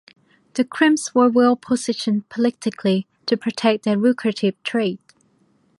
The crimps were well positioned politically to protect their lucrative trade.